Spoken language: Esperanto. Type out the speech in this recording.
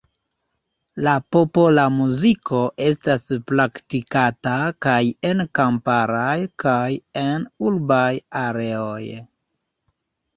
La popola muziko estas praktikata kaj en kamparaj kaj en urbaj areoj.